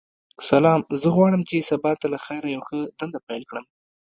سلام ،زه غواړم چی سبا ته لخیر یوه ښه دنده پیل کړم.